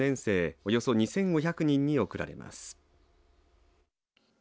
およそ２５００人に贈られます。